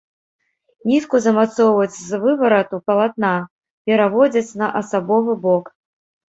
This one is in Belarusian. Нітку замацоўваюць з выварату палатна, пераводзяць на асабовы бок.